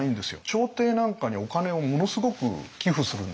朝廷なんかにお金をものすごく寄付するんですよ。